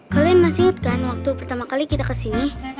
kalian masih kan waktu pertama kali kita kesini